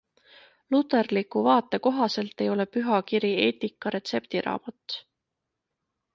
Luterliku vaate kohaselt ei ole pühakiri eetika retseptiraamat.